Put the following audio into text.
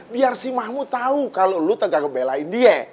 biar si mahmud tahu kalo lu kagak ngebelain dia